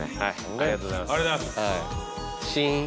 ありがとうございます。